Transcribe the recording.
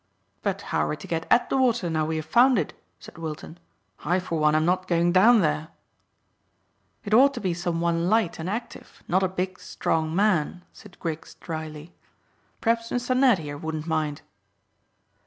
"But how are we to get at the water now we have found it?" said Wilton. "I for one am not going down there." "It ought to be some one light and active, not a big, strong man," said Griggs dryly. "P'r'aps Mr Ned here wouldn't mind."